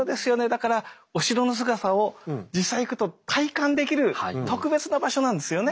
だからお城の姿を実際行くと体感できる特別な場所なんですよね。